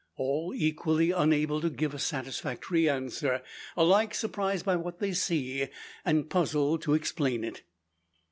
All equally unable to give a satisfactory answer alike surprised by what they see, and puzzled to explain it.